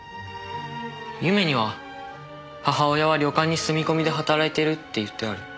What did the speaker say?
祐芽には母親は旅館に住み込みで働いてるって言ってある。